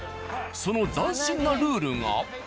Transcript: その斬新なルールが。